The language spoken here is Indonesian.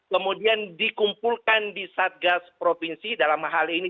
kemudian dikumpulkan di satgas provinsi dalam hal ini